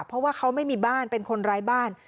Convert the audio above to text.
เพราะว่าเขาไม่มีบ้านเป็นคนร้ายบ้าน